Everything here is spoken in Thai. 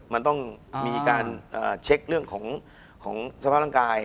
มันต้องมีการเช็ค